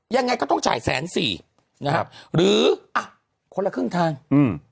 ยังไงก็ต้องจ่ายแสนสี่นะครับหรืออ่ะคนละครึ่งทางอืม